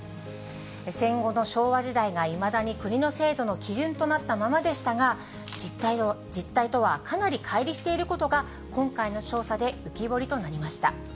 戦後の昭和時代がいまだに国の制度の基準となったままでしたが、実態とはかなりかい離していることが、今回の調査で浮き彫りとなりました。